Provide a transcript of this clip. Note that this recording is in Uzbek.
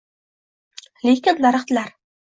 lekin daraxtlar